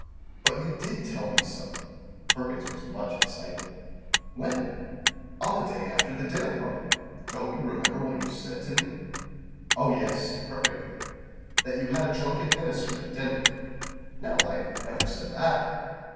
"But you did tell me so." Perkins was much excited. "When?" "On the day after the dinner party. Don't you remember what you said to me?" "Oh, yes perfectly." "That you had a drunken minister at dinner?" "No, I never said that."